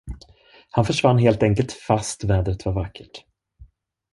Han försvann helt enkelt, fast vädret var vackert.